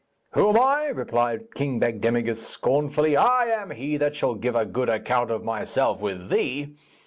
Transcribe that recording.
'Who am I?' replied King Bagdemagus scornfully. 'I am he that shall give a good account of myself with thee.'